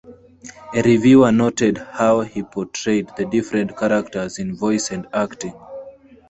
A reviewer noted how he portrayed the different characters in voice and acting.